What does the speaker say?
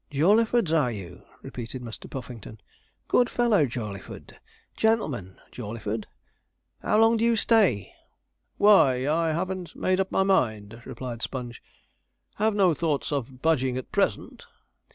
Jawleyford's, are you?' repeated Mr. Puffington. 'Good fellow, Jawleyford gentleman, Jawleyford. How long do you stay?' 'Why, I haven't made up my mind,' replied Sponge. 'Have no thoughts of budging at present.'